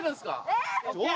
えっ？